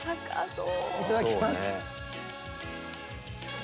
いただきます。